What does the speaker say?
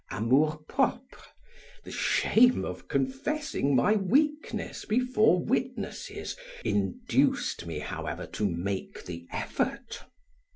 Amour propre, the shame of confessing my weakness before witnesses induced me, however, to make the effort.